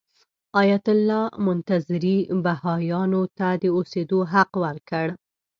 ایت الله منتظري بهايانو ته د اوسېدو حق ورکړ.